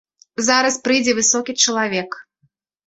Зараз прыйдзе высокі чалавек.